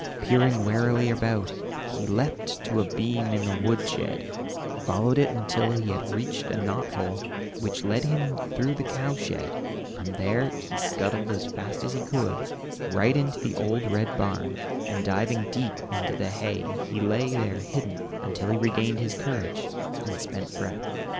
Peering warily about he leaped to a beam in the wood shed, followed it until he had reached a knot hole which led through the cow shed; from there he scuttled as fast as he could run, right into the old red barn, and diving deep into the hay he lay there hidden until he regained his courage and spent breath.